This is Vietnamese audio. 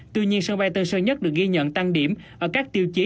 tuy nhiên sân bay tân sơn nhất được ghi nhận tăng điểm ở các tiêu chí